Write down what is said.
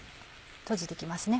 閉じてきますね